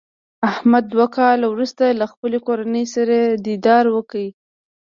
احمد دوه کاله ورسته له خپلې کورنۍ سره دیدار وکړ.